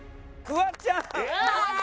フワちゃん！